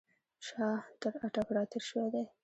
شاه تر اټک را تېر شوی دی.